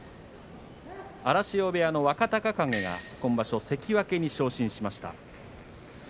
荒汐部屋の若隆景が今場所、関脇に昇進しました。